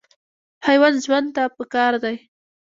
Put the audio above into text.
حیوان ژوند ته پکار دی.